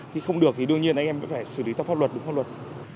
thì không được thì đương nhiên anh em phải xử lý theo pháp luật